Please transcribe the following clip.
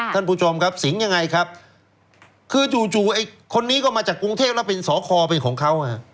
ท่านผู้ชมครับสิงห์ยังไงครับคือจู่ไอ้คนนี้ก็มาจากกรุงเทพแล้วเป็นสอคอเป็นของเขา